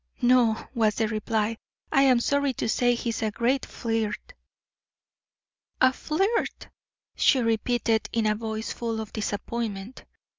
"No," was the reply; "I am sorry to say he is a great flirt." "A flirt!" she repeated, in a voice full of disappointment.